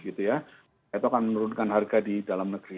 itu akan menurunkan harga di dalam negeri